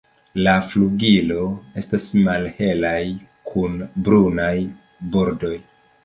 La flugiloj estas malhelaj kun brunaj bordoj.